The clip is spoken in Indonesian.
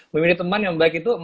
memilih teman yang baik itu